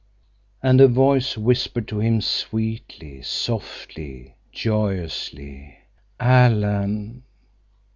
And a voice whispered to him, sweetly, softly, joyously, "Alan!"